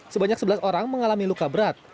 sebanyak sebelas orang mengalami luka berat